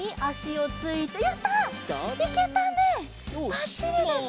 ばっちりです。